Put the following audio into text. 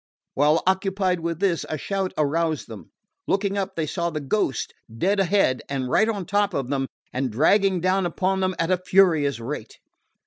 While occupied with this a shout aroused them. Looking up, they saw the Ghost dead ahead and right on top of them, and dragging down upon them at a furious rate.